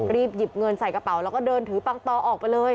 รีบหยิบเงินใส่กระเป๋าแล้วก็เดินถือปังตอออกไปเลย